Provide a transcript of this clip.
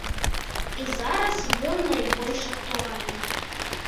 І зараз ён найбольш актуальны.